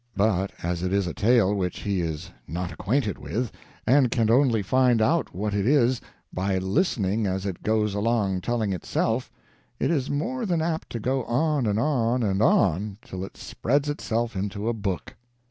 But as it is a tale which he is not acquainted with, and can only find out what it is by listening as it goes along telling itself, it is more than apt to go on and on and on till it spreads itself into a book.